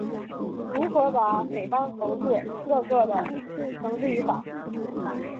如何把匪帮头子一个个地绳之于法？